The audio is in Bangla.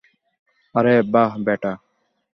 আরে বাহ্, ব্যাটা!